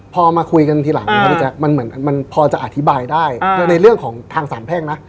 พอมาคุยกันทีหลังมันเหมือนอธิบายในเรื่องของทางสามแท่งนะ